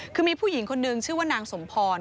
คือมีผู้หญิงคนนึงชื่อว่านางสมพร